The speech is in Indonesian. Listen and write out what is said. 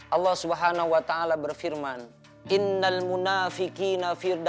allah swt berfirman